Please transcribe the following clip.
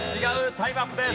タイムアップです。